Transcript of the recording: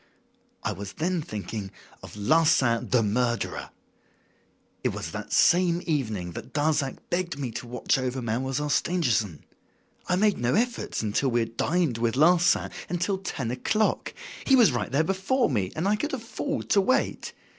"I was then thinking of Larsan, the murderer. It was that same evening that Darzac begged me to watch over Mademoiselle Stangerson. I made no efforts until after we had dined with Larsan, until ten o'clock. He was right there before me, and I could afford to wait.